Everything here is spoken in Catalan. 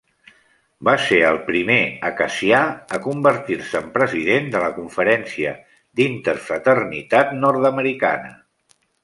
Va ser el primer acacià a convertir-se en president de la Conferència d'Interfraternitat Nord-americana.